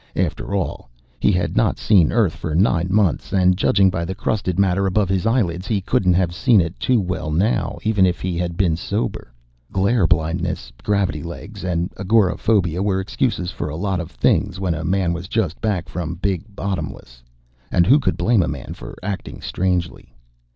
After all, he had not seen Earth for nine months, and judging by the crusted matter about his eyelids, he couldn't have seen it too well now, even if he had been sober. Glare blindness, gravity legs, and agoraphobia were excuses for a lot of things, when a man was just back from Big Bottomless. And who could blame a man for acting strangely?